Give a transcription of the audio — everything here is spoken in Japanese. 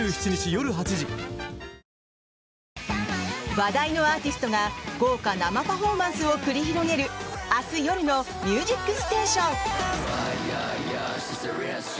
話題のアーティストが豪華生パフォーマンスを繰り広げる明日夜の「ミュージックステーション」。